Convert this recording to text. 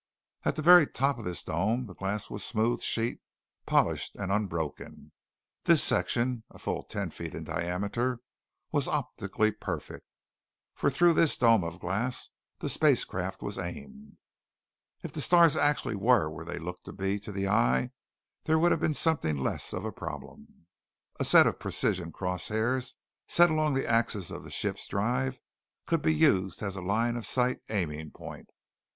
At the very top of this dome the glass was a smooth sheet, polished and unbroken. This section, a full ten feet in diameter, was optically perfect. For through this dome of glass the spacecraft was aimed. If the stars actually were where they looked to be to the eye, there would have been something less of a problem. A set of precision cross hairs set along the axis of ship's drive could be used as a line of sight aiming point.